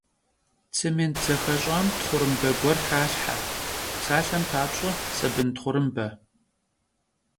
Tsêmênt zexeş'am txhurımbe guer xalhhe, psalhem papş'e, sabın txhurımbe.